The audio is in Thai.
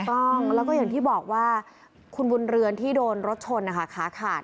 ถูกต้องแล้วก็อย่างที่บอกว่าคุณบุญเรือนที่โดนรถชนนะคะขาขาด